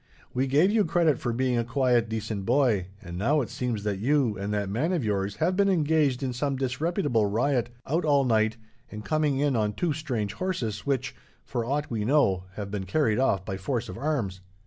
We gave you credit for being a quiet, decent boy, and now it seems that you and that man of yours have been engaged in some disreputable riot, out all night, and coming in on two strange horses, which, for aught we know, have been carried off by force of arms."